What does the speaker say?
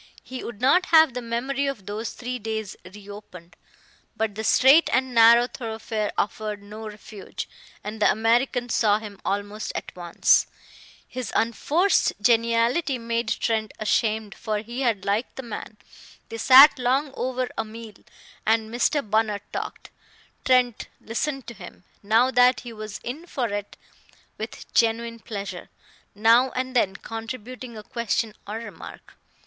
He would not have the memory of those three days re opened. But the straight and narrow thoroughfare offered no refuge, and the American saw him almost at once. His unforced geniality made Trent ashamed, for he had liked the man. They sat long over a meal, and Mr. Bunner talked. Trent listened to him, now that he was in for it, with genuine pleasure, now and then contributing a question or remark.